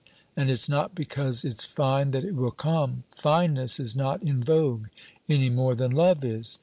And it's not because it's fine that it will come. Fineness is not in vogue, any more than love is.